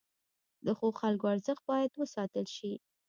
د ښو خلکو ارزښت باید وساتل شي.